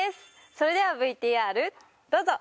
それではＶＴＲどうぞ！